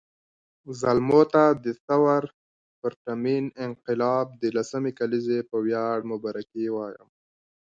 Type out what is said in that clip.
زلمو ته د ثور پرتمین انقلاب د لسمې کلېزې په وياړ مبارکي وایم